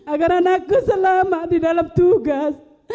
agar anakku selamat di dalam tugas